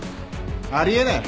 あり得ない。